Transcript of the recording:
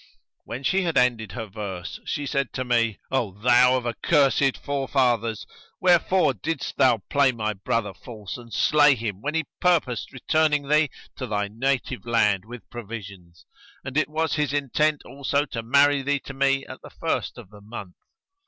When she had ended her verse she said to me, "O thou of accursed forefathers, wherefore didst thou play my brother false and slay him when he purposed returning thee to thy native land with provisions; and it was his intent also to marry thee to me at the first of the month?"